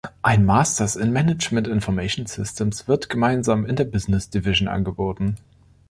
Ein Masters in Management Information Systems wird gemeinsam in der Business Division angeboten.